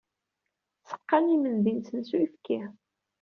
Seqqan imendi-nsen s uyefki.